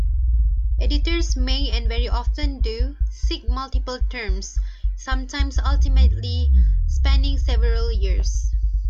Editors may, and very often do, seek multiple terms, sometimes ultimately spanning several years.